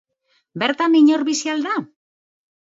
Bertan inor bizi al da?